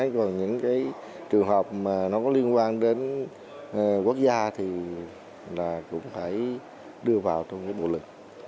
còn những cái trường hợp mà nó có liên quan đến quốc gia thì cũng phải đưa vào trong cái bộ lực